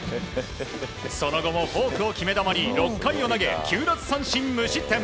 その後もフォークを決め球に６回を投げ９奪三振無失点。